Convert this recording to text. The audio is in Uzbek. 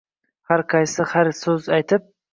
Har qaysi har so‘z aytib